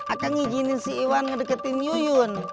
atau ngijinin si iwan ngedeketin yuyun